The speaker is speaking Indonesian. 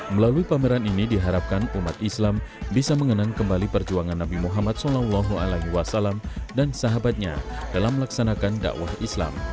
melalui pameran ini diharapkan umat islam bisa mengenang kembali perjuangan nabi muhammad saw dan sahabatnya dalam melaksanakan dakwah islam